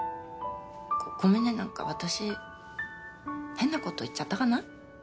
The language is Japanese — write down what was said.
ごめんね何か私変なこと言っちゃったかな？